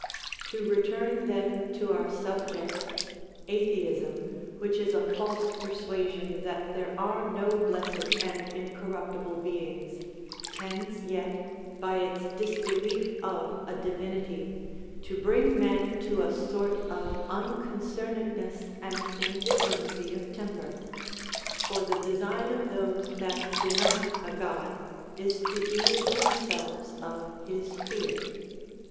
2. To return then to our subject, atheism, which is a false persuasion that there are no blessed and incorrupti ble beings, tends yet, by its disbelief of a Divinity, to bring men to a sort of unconcernedness and indifferency of temper ; for the design of tiiose that deny a God is to ease themselves of his fear.